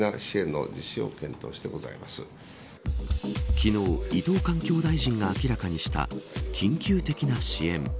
昨日、伊藤環境大臣が明らかにした緊急的な支援。